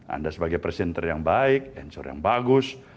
anda sebagai presenter yang baik ensor yang bagus